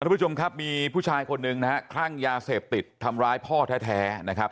ทุกผู้ชมครับมีผู้ชายคนหนึ่งนะฮะคลั่งยาเสพติดทำร้ายพ่อแท้นะครับ